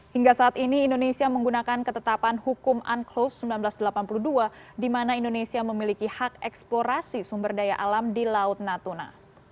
hingga saat ini indonesia menggunakan ketetapan hukum unclose seribu sembilan ratus delapan puluh dua di mana indonesia memiliki hak eksplorasi sumber daya alam di laut natuna